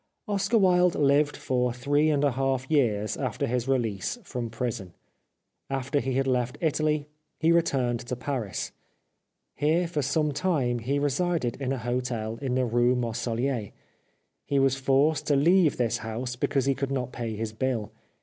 Oscar Wilde lived for three and a half years after his release from prison. After he had left Italy he returned to Paris. Here for some time he resided in a hotel in the Rue Marsollier. He was forced to leave this house because he could not pay his bill.